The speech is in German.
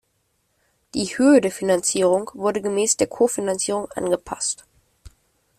Die Höhe der Finanzierung wurde gemäß der Kofinanzierung angepasst.